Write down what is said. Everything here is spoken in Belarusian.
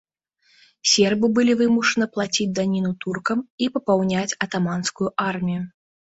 Сербы былі вымушаны плаціць даніну туркам і папаўняць атаманскую армію.